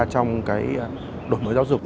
trong cái đổi mới giáo dục